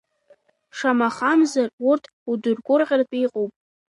Шамахамзар, урҭ удыргәырӷьаратәгьы иҟоуп.